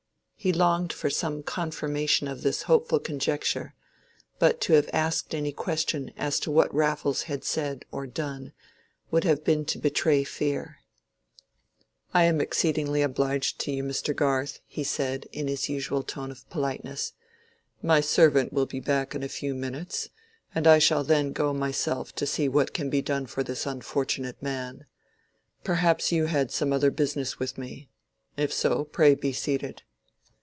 He longed for some confirmation of this hopeful conjecture, but to have asked any question as to what Raffles had said or done would have been to betray fear. "I am exceedingly obliged to you, Mr. Garth," he said, in his usual tone of politeness. "My servant will be back in a few minutes, and I shall then go myself to see what can be done for this unfortunate man. Perhaps you had some other business with me? If so, pray be seated."